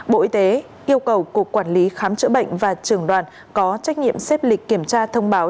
bộ y tế yêu cầu cục quản lý khám chữa bệnh và trường đoàn có trách nhiệm xếp lịch kiểm tra thông báo